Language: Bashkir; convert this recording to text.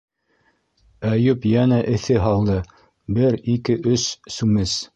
- Әйүп йәнә эҫе һалды: бер, ике, өс сүмес!